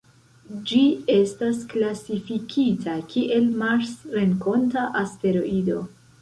Ĝi estas klasifikita kiel marsrenkonta asteroido.